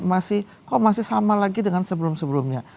masih kok masih sama lagi dengan sebelum sebelumnya